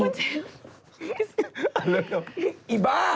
เอาเร็วอีบ้า